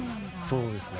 そうですね。